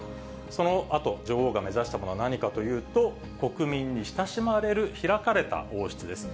そのあと、女王が目指したものは何かというと、国民に親しまれる開かれた王室です。